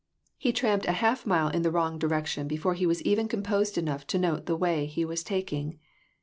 He tramped a half mile in the wrong direction PRECIPITATION. 353 before he was even composed enough to note the way he was taking.